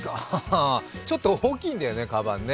ちょっと大きいんだよね、かばんね。